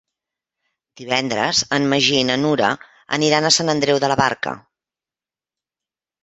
Divendres en Magí i na Nura aniran a Sant Andreu de la Barca.